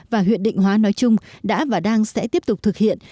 và huyện định hóa nói chung đã và đang sẽ tiếp tục thực hiện